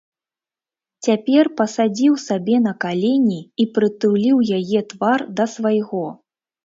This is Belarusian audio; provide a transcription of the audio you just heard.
Цяпер пасадзіў сабе на калені і прытуліў яе твар да свайго.